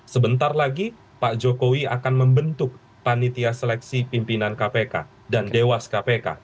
sebentar lagi pak jokowi akan membentuk panitia seleksi pimpinan kpk dan dewas kpk